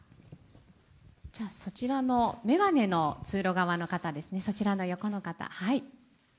じゃあ、そちらの眼鏡の通路側の方ですね、そちらの横の方。